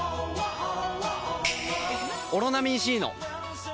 「オロナミン Ｃ」の！